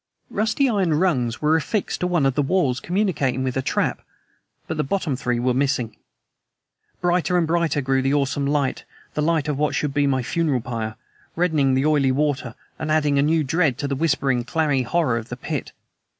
Rusty iron rungs were affixed to one of the walls communicating with a trap but the bottom three were missing! Brighter and brighter grew the awesome light the light of what should be my funeral pyre reddening the oily water and adding a new dread to the whispering, clammy horror of the pit.